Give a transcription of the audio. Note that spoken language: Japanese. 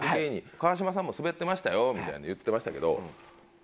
川島さんもスベってましたよみたいに言ってましたけど。